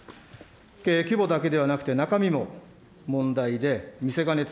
規模だけではなくて、中身も問題で、偽金、